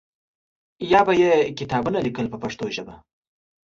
یا به یې کتابونه لیکل په پښتو ژبه.